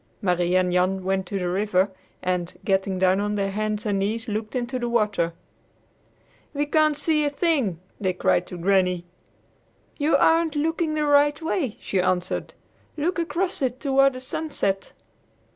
Marie and Jan went to the river, and, getting down on their hands and knees, looked into the water. "We can't see a thing!" they cried to Granny. "You aren't looking the right way," she answered. "Look across it toward the sunset."